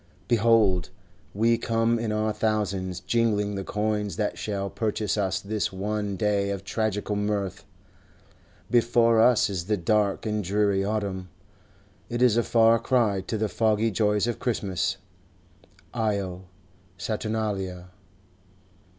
Behold, we come in our thousands, jingling the coins that shall purchase us this one day of tragical mirth. Before us is the dark and dreary autumn; it is a far cry to the foggy joys of Christmas. Io Saturnalia!